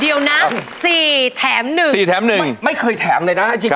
เดี๋ยวนะ๔แถม๑ไม่เคยแถมเลยนะจริง